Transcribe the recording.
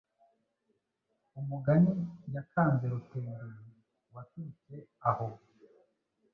umugani yakanze Rutenderi waturutse aho